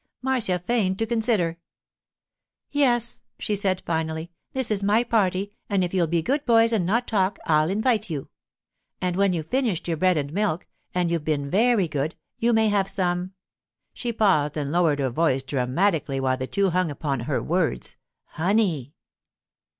Marcia feigned to consider. 'Yes,' said she finally, 'this is my party, and if you'll be good boys and not talk, I'll invite you. And when you've finished your bread and milk, if you've been very good, you may have some—' she paused and lowered her voice dramatically while the two hung upon her words—'honey!